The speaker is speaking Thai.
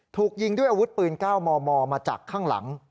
ถูกยิงด้วยอาวุธปืน๙มมมาจากข้างหลัง